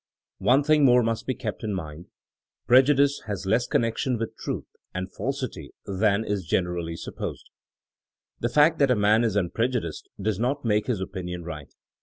One thing more must be kept in mind. Prejudice has less connection with truth and falsity than is generally supposed. The fact that a man is unprejudiced does not make his opinion right.